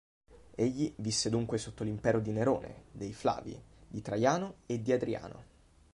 Egli visse dunque sotto l'impero di Nerone, dei Flavi, di Traiano e di Adriano.